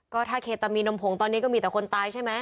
ก็ถ้าเคตามีนมผงตอนนี้ก็มีแต่คนตายใช่ไหม